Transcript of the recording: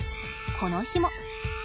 この日も。